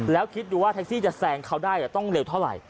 แล้วคิดดูว่าแท็กซี่จะแซงเขาได้ต้องเร็วเท่าไหร่